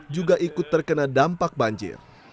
juga ikut terkena dampak banjir